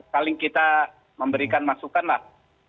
paling kita memberikan masukan lah